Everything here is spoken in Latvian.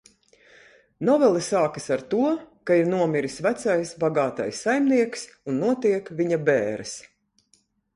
Novele sākas ar to, ka ir nomiris vecais, bagātais saimnieks un notiek viņa bēres.